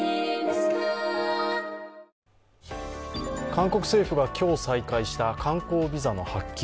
韓国政府が今日再開した観光ビザの発給。